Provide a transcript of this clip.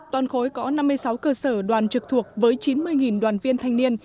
toàn khối có năm mươi sáu cơ sở đoàn trực thuộc với chín mươi đoàn viên thanh niên